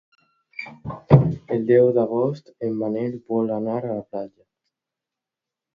El deu d'agost en Manel vol anar a la platja.